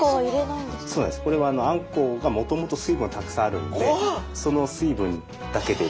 これはあんこうがもともと水分はたくさんあるんでだけで！